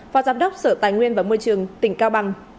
phó giám đốc sở tài nguyên và môi trường tỉnh cao bằng